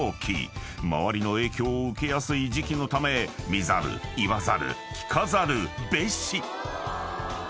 ［周りの影響を受けやすい時期のため見ざる言わざる聞かざるべし］